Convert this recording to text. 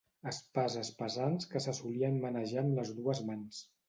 Espases pesants que se solien manejar amb les dues mans.